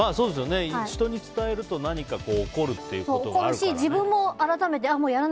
人に伝えると何か起こるっていうこともあるからね。